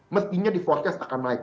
mestinya di forecast akan naik